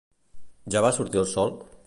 Ja va sortir el Sol?